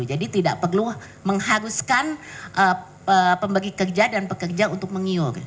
jadi tidak perlu mengharuskan pemberi kerja dan pekerja untuk mengiur